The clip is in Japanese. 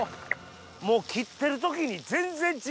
もう切ってる時に全然違う！